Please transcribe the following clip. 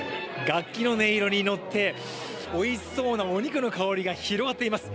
楽器の音色にのって、おいしそうなお肉の香りが広がっています。